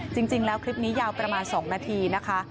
จริงแล้วคลิปนี้ยาวประมาณ๒นาทีนะคะ